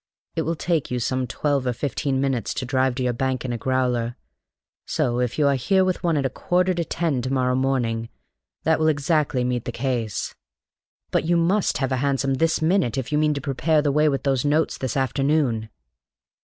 It will take you some twelve or fifteen minutes to drive to your bank in a growler, so if you are here with one at a quarter to ten to morrow morning, that will exactly meet the case. But you must have a hansom this minute if you mean to prepare the way with those notes this afternoon!"